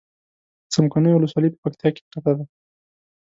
څمکنيو ولسوالي په پکتيا کې پرته ده